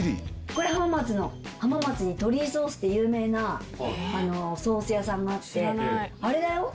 これ浜松の浜松にトリイソースって有名なソース屋さんがあってあれだよ